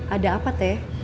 ada apa teh